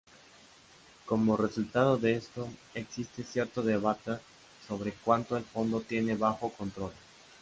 Como resultado de esto, existe cierto debate sobre cuánto el fondo tiene bajo control.